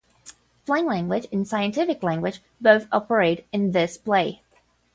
"Plain language" and "scientific language" both operate in this play.